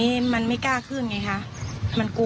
และที่สำคัญก็มีอาจารย์หญิงในอำเภอภูสิงอีกเหมือนกัน